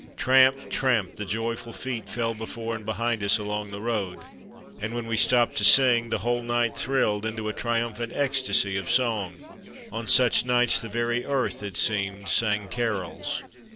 Tramp, tramp, the joyful feet fell before and behind us along the road, and when we stopped to sing, the whole night thrilled into a trium phant ecstasy of song. On such nights the very earth, it seemed, sang carols.